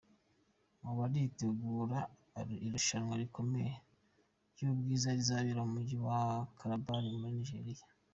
Ubu aritegura irushanwa rikomeye ry’ubwiza rizabera mu Mujyi wa Calabar muri Nigeria.